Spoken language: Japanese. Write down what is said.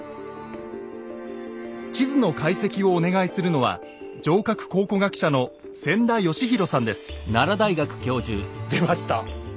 地図の解析をお願いするのは城郭考古学者の出ました。